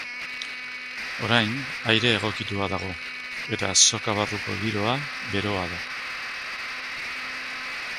Orain aire egokitua dago eta azoka barruko giroa beroa da.